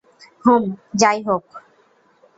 হুম, যাইহোক।